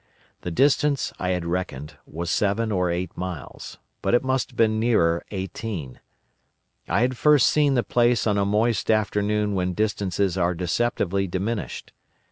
The distance, I had reckoned, was seven or eight miles, but it must have been nearer eighteen. I had first seen the place on a moist afternoon when distances are deceptively diminished.